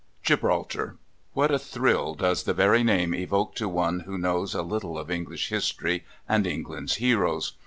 Gibraltar! What a thrill does the very name evoke to one who knows a little of English history and England's heroes!